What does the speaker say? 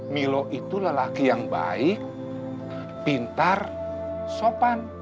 milo itu lelaki yang baik pintar sopan